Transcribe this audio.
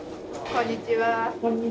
こんにちは。